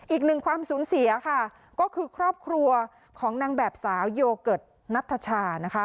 อีกหนึ่งความสูญเสียค่ะก็คือครอบครัวของนางแบบสาวโยเกิร์ตนัทชานะคะ